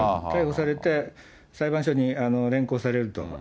逮捕されて、裁判所に連行されると。